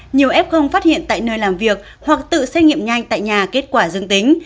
nhiều f phát hiện tại nơi làm việc hoặc tự xét nghiệm nhanh tại nhà kết quả dương tính